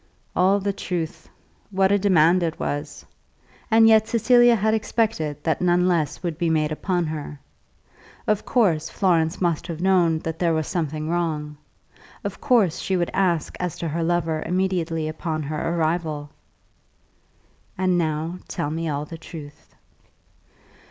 All the truth! What a demand it was. And yet Cecilia had expected that none less would be made upon her. Of course Florence must have known that there was something wrong. Of course she would ask as to her lover immediately upon her arrival. "And now tell me all the truth."